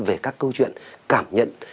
về các câu chuyện cảm nhận